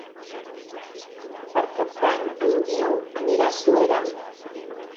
Per Cap d'Any en Guiu anirà a Suera.